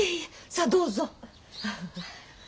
さどうぞ。